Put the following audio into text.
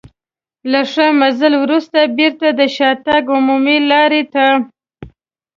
له ښه مزل وروسته بېرته د شاتګ عمومي لارې ته.